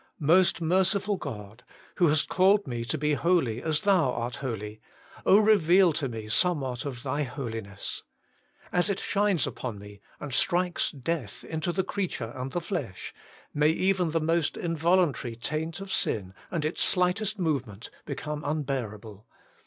Most merciful God ! who hast called me to be THE THRICE HOLY ONE. 115 holy as Thou art holy, oh, reveal to me some what of Thy Holiness ! As it shines upon me and strikes death into the creature and the flesh, may even the most involuntary taint of sin, and its slightest movement, become unbearable.